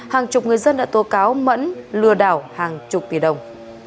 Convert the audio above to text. hàng chục người dân đã tố cáo mẫn lừa đảo hàng chục tỷ đồng